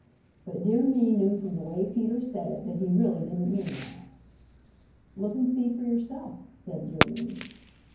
But Dear Me knew from the way Peter said it that he really didn't mean that. "Look and see for yourself," said Dear Me.